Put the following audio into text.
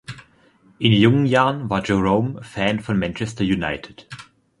In jungen Jahren war Jerome Fan von Manchester United.